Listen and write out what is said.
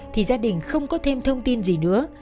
thì gia đình không có thêm thông tin gì nữa